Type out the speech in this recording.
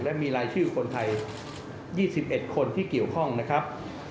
และมีรายชื่อคนไทย๒๑คนที่เกี่ยวข้องนะครับ